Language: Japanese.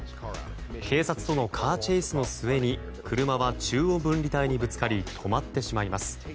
警察とのカーチェイスの末に車は中央分離帯にぶつかり止まってしまいます。